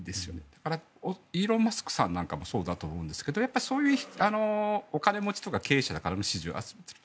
だからイーロン・マスクさんなんかもそうだと思うんですけどそういうお金持ちとか経営者からの支持を集めている。